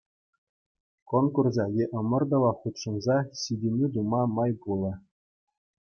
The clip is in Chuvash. Конкурса е ӑмӑртӑва хутшӑнса ҫитӗнӳ тума май пулӗ.